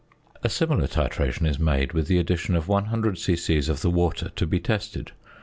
A similar titration is made with the addition of 100 c.c. of the water to be tested.